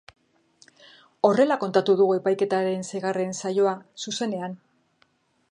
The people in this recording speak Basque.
Horrela kontatu dugu epaiketaren seigarren saioa, zuzenean.